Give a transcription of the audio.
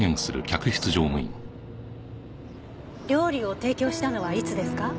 料理を提供したのはいつですか？